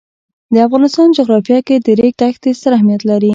د افغانستان جغرافیه کې د ریګ دښتې ستر اهمیت لري.